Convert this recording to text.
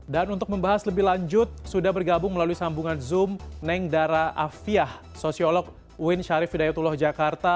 dan untuk membahas lebih lanjut sudah bergabung melalui sambungan zoom neng dara afiah sosiolog win syarif hidayatullah jakarta